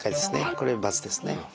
これは×ですね。